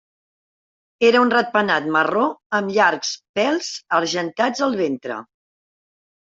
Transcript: Era un ratpenat marró amb llargs pèls argentats al ventre.